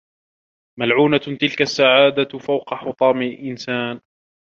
ملعونة تلك السعادة فوق حُطام إنسان.